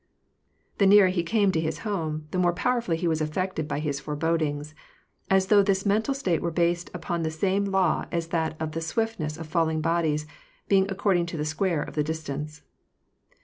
The nearer he came to his home, the more powerfully he was affected by his forebodings : as though this mental state were based upon the same law as that of the swiftness of falling bodies being according to the square of the distance.